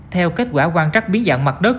theo kết quả quan trắc biến dạng mặt đất